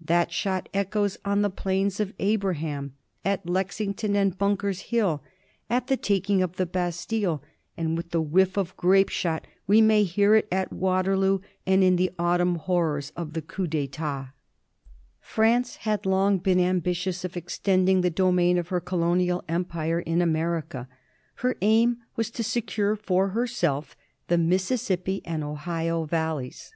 That shot echoes on the Plains of Abraham, at Lexington and Bunker's Hill, at the taking of the Bastille, and with the " whiff of grape shot '*; we may hear it at ^Vaterloo and in the autumn horrors of the Coup d'Etat. France had long been ambitious of extending the do main of her colonial empire in America. Her aim was to secure for herself the Mississippi and Ohio valleys.